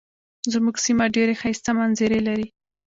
زمونږ سیمه ډیرې ښایسته منظرې لري.